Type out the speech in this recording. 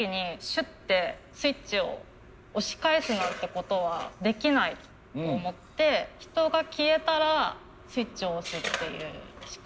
シュッてスイッチを押し返すなんてことはできないと思って人が消えたらスイッチを押すっていう仕組みにしました。